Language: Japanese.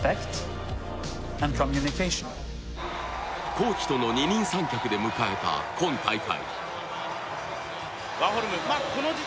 コーチとの二人三脚で向かえた今大会。